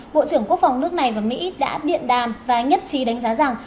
bộ trưởng quốc phòng nước này và mỹ đã điện đàm và nhất trí đánh giá rằng